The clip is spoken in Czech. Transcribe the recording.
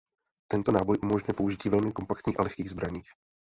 Tento náboj umožňuje použití velmi kompaktních a lehkých zbraních.